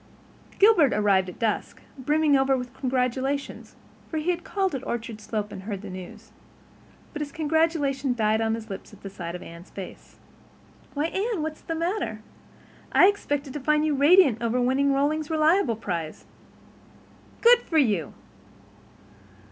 Gilbert arrived at dusk, brimming over with congratulations, for he had called at Orchard Slope and heard the news. But his congratulations died on his lips at sight of Anne's face. "Why, Anne, what is the matter? I expected to find you radiant over winning Rollings Reliable prize. Good for you!"